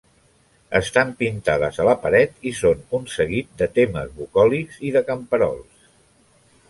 Estan pintades a la paret i són un seguit de temes bucòlics i de camperols.